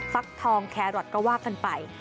ฟักทองแครอทก็ว่ากันไป